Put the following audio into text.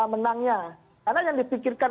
menangnya karena yang dipikirkan